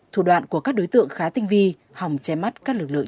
thủ đoạn của các đối tượng khá tiền